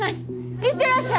行ってらっしゃい！